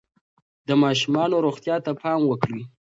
د ماشومانو روغتیا ته پام وکړئ.